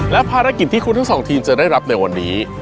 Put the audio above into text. และภารกิจที่คุณทั้งสองทีมจะได้รับในวันนี้